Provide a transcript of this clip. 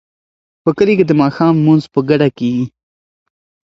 په کلي کې د ماښام لمونځ په ګډه کیږي.